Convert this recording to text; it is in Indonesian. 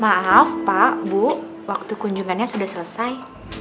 maaf pak bu waktu kunjungannya sudah selesai